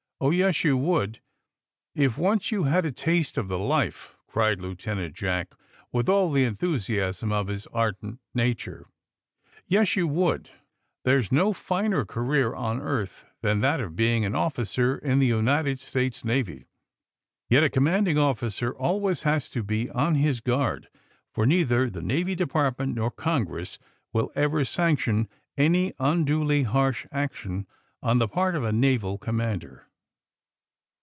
^' Oh, yes, you would, if once you had a taste of the life!" cried Lieutenant Jack, with all the enthusiasm of his ardent nature. *^Yes, you would! There's no finer career on earth than that of being an officer in the United States Navy. Yet a commanding officer always has to be on his guard, for neither the Navy Depart ment nor Congress will ever sanction any un duly harsh action on the part of a naval com mander.